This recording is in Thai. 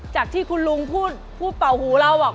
จากที่คุณลุงพูดพูดเป่าหูเรา